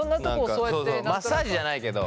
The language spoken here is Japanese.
そうそうマッサージじゃないけど。